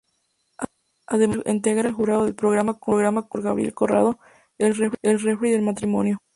Además integra el jurado del programa conducido por Gabriel Corrado, "El referí del matrimonio".